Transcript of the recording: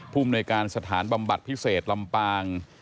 ภูมิในการสถานบำบัดพิเศษลำปาง